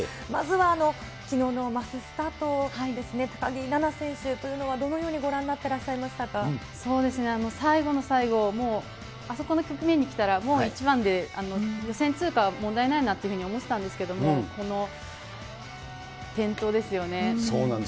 まずはきのうのマススタートですね、高木菜那選手というのはどのようにご覧になってらっしゃいましたそうですね、最後の最後、もう、あそこの局面にきたら、もう１番で予選通過は問題ないなというふうに思ってたんですけど、この転倒ですよね。